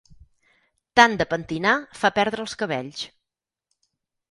Tant de pentinar fa perdre els cabells.